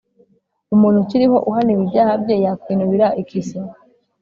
Umuntu ukiriho uhaniwe ibyaha bye, Yakwinubira iki se?